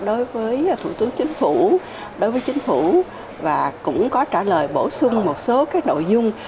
đối với thủ tướng chính phủ đối với chính phủ và cũng có trả lời bổ sung một số nội dung